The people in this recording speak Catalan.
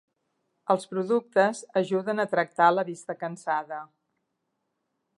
Els productes ajuden a tractar la vista cansada.